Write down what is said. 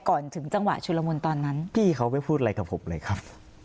ถึงจังหวะชุลมุนตอนนั้นพี่เขาไม่พูดอะไรกับผมเลยครับ